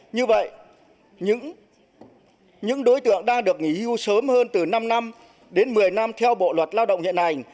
như vậy những đối tượng đang được nghỉ hưu sớm hơn từ năm năm đến một mươi năm theo bộ luật lao động hiện hành